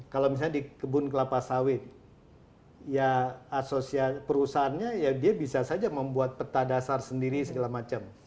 kalau misalnya di kebun kelapa sawit ya asosia perusahaannya ya dia bisa saja membuat peta dasar sendiri segala macam